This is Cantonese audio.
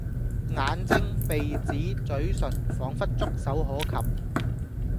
眼睛、鼻子、咀唇彷彿觸手可及